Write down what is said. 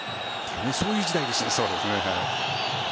そういう時代でした。